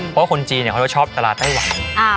เพราะว่าคนจีนเขาจะชอบตลาดไต้หวัน